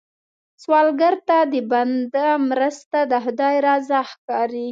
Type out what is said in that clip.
سوالګر ته د بنده مرسته، د خدای رضا ښکاري